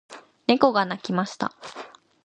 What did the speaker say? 猫が鳴きました。